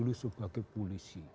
dulu sebagai polisi